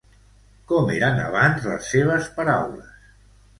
Com eren abans les seves paraules?